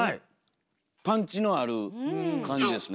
パンチのある感じですね。